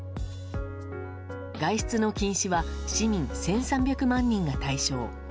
外出の禁止は市民１３００万人が対象。